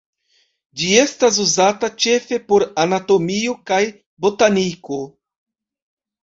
Ĝi estas uzata ĉefe por anatomio kaj botaniko.